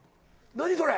何それ？